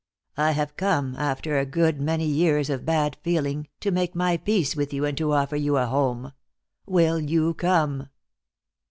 I have come, after a good many years of bad feeling, to make my peace with you and to offer you a home. Will you come?"